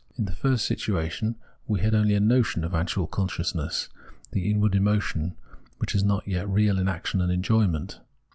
In the first situation we had only a " notion " of actual consciousness, the inward emotion, which is not yet real in action and enjoyment.